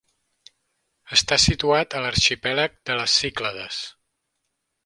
Està situat a l'arxipèlag de les Cíclades.